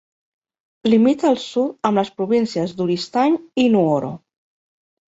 Limita al sud amb les províncies d'Oristany i Nuoro.